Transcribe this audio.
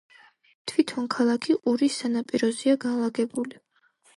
თვითონ ქალაქი ყურის სანაპიროზეა განლაგებული.